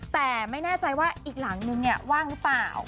แต่ไม่แน่ใจว่าอีกหลังนึงเนี่ยว่างหรือเปล่า